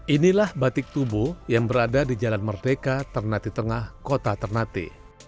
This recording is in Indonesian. inilah batik tubuh yang berada di jalan merdeka ternate tengah kota ternate